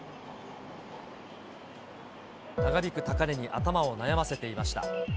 長引く高値に頭を悩ませていました。